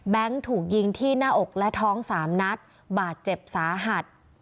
ถูกยิงที่หน้าอกและท้อง๓นัดบาดเจ็บสาหัส